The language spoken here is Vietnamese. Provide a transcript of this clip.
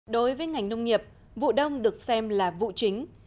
đối với ngành nông nghiệp vụ đông được xem là vụ chính